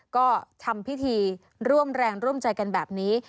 ก็ทำพิธีร่วมแรงร่วมใจกันแบบนี้